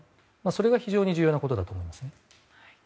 それが非常に重要なことだと思います。